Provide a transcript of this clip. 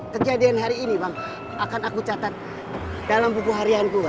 kejadian hari ini bang akan aku catat dalam buku harian gue